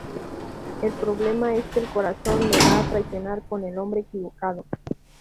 El problema es que el corazón la va a traicionar con el hombre equivocado.